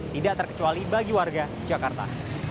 tidak terkecuali bagi warga jakarta